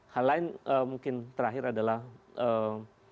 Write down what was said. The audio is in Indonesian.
hal lain mungkin terakhir adalah bahwa proses yang nanti akan berjalan dari pansus sampai